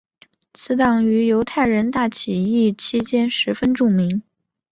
此党于犹太人大起义期间十分著名。